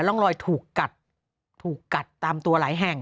ร่องรอยถูกกัดถูกกัดตามตัวหลายแห่ง